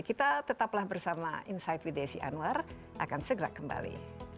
kita tetaplah bersama insight with desi anwar akan segera kembali